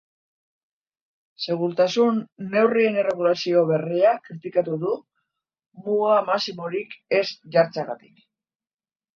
Segurtasun neurrien erregulazio berria kritikatu du, muga maximorik ez jartzegatik.